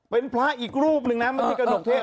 เป็นพระอีกรูปหนึ่งนะเมื่อกี้กระหนกเทศ